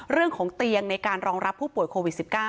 เรื่องของเตียงในการรองรับผู้ป่วยโควิด๑๙